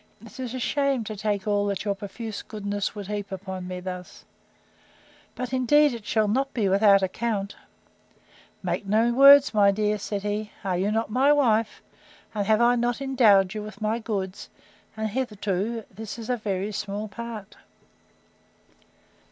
—It is a shame to take all that your profuse goodness would heap upon me thus: But indeed it shall not be without account.—Make no words, my dear, said he: Are you not my wife? And have I not endowed you with my goods; and, hitherto, this is a very small part.